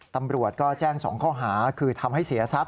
ตำรวจก็แจ้ง๒ข้อหาคือทำให้เสียทรัพย